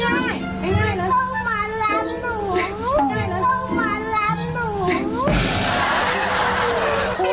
หนูต้องมารับหนู